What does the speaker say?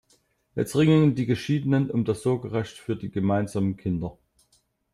Jetzt ringen die Geschiedenen um das Sorgerecht für die gemeinsamen Kinder.